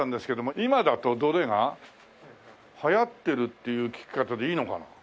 今だとどれが流行ってるっていう聞き方でいいのかな？